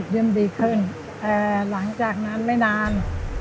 เริ่มดีขึ้นแต่หลังจากนั้นไม่นาน